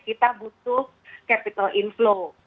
kita butuh capital inflow